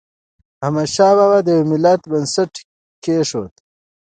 احمد شاه بابا د یو ملت بنسټ کېښود.